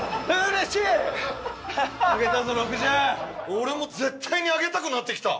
俺も絶対に上げたくなってきた！